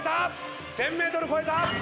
１，０００ｍ超えた！